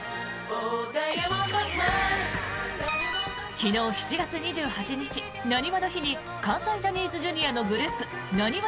昨日、７月２８日なにわの日に関西ジャニーズＪｒ．のグループなにわ